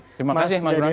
terima kasih mas juradzim